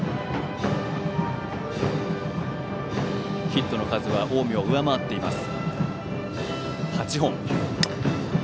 ヒットの数は８本と近江を上回っています。